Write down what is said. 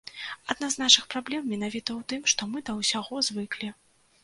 Адна з нашых праблем менавіта ў тым, што мы да ўсяго звыклі.